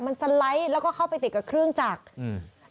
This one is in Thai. มันสไลด์แล้วก็เข้าไปติดกับเครื่องจักรอืม